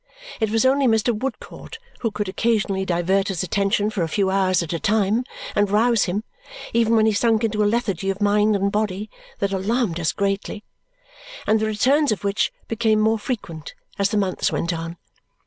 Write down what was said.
It was only Mr. Woodcourt who could occasionally divert his attention for a few hours at a time and rouse him, even when he sunk into a lethargy of mind and body that alarmed us greatly, and the returns of which became more frequent as the months went on.